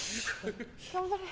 頑張れ。